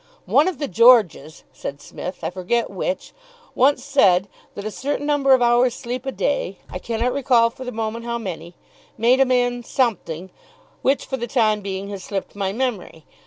"One of the Georges," said Psmith, "I forget which, once said that a certain number of hours' sleep a day I cannot recall for the moment how many made a man something, which for the time being has slipped my memory.